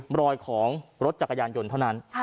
รอยของรถจักรยานยนต์เท่านั้น